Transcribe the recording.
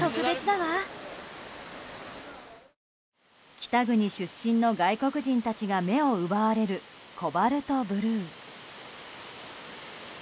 北国出身の外国人たちが目を奪われる、コバルトブルー。